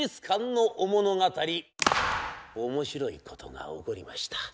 面白いことが起こりました。